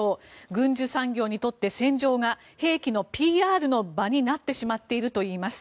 軍需産業にとって戦場が兵器のＰＲの場になってしまっているといいます。